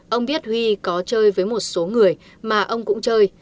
ông biết huy có chơi với một số người mà ông cũng chơi